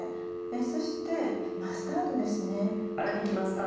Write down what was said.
そしてマスタードです。